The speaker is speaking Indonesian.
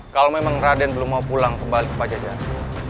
kalau memang raden belum mau pulang kembali ke pajajar